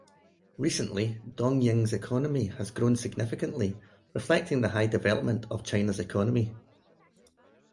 Recently, Dongying's economy has grown significantly, reflecting the high development of China's economy.